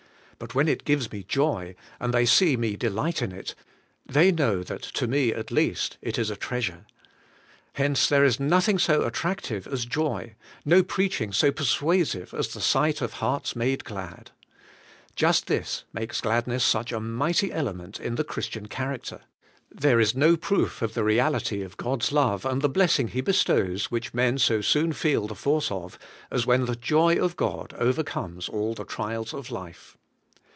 But when it gives me joy, and they see me delight in it, they know that to me at least it is a treasure. Hence there is noth ing so attractive as joy, no preaching so persuasive as the sight of hearts made glad. Just this makes 186 ABIDE IN CHRIST: gladness such a mighty element in the Christian char acter: there is no proof of the reality of God's love and the blessing He bestows, which men so soon feel the force of, as when the joy of God overcomes all the trials of life.